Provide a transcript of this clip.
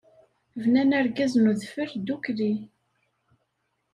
Bnan argaz n udfel ddukkli.